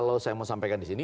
kalau saya mau sampaikan disini